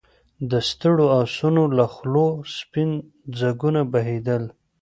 د ستړو آسونو له خولو سپين ځګونه بهېدل.